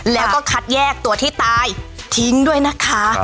แล้วก็คัดแยกตัวที่ตายทิ้งด้วยนะคะ